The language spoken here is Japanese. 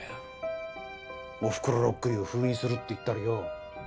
『おふくろロックユー』封印するって言ったりよ。